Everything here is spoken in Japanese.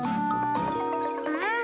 うん。